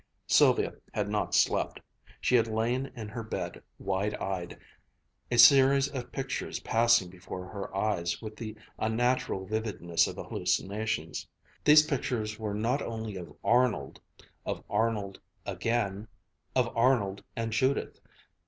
Sylvia had not slept. She had lain in her bed, wide eyed; a series of pictures passing before her eyes with the unnatural vividness of hallucinations. These pictures were not only of Arnold, of Arnold again, of Arnold and Judith.